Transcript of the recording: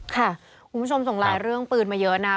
คุณผู้ชมส่งหลายเรื่องปืนมาเยอะนะ